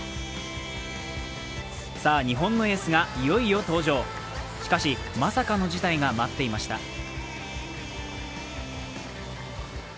さあ、日本のエースがいよいよ登場しかし、まさかの事態が待っていました。